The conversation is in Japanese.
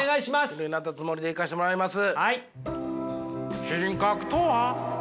ミルになったつもりでいかしてもらいます。